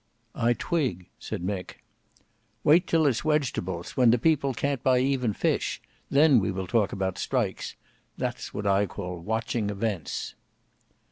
"I twig," said Mick. "Wait till it's wegetables; when the people can't buy even fish. Then we will talk about strikes. That's what I call watching events."